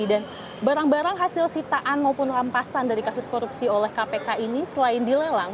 dan barang barang hasil sitaan maupun rampasan dari kasus korupsi oleh kpk ini selain dilelang